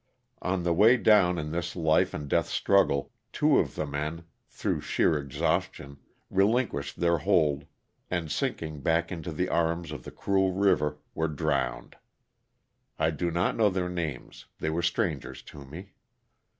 On the way down in this life and death struggle, two of the men, through sheer exhaustion, relinquished their hold, and sinking back into the arms of the cruel river, were drowned. I do not know their names; they were strangers to me.